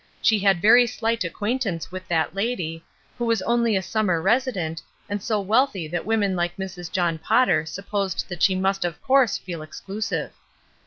She had very slight ac quaintance with that lady, who was only a sum mer resident, and so wealthy that women like Mrs. John Potter supposed that she must of course feel exclusive.